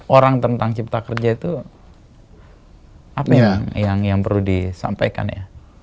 orang tentang cipta kerja itu apa yang perlu disampaikan ya